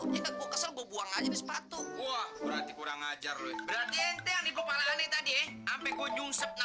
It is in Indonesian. ini dukun epilepsi kali ya